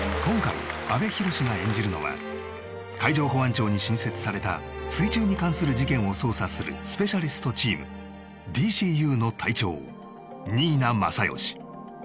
今回阿部寛が演じるのは海上保安庁に新設された水中に関する事件を捜査するスペシャリストチームＤＣＵの隊長新名正義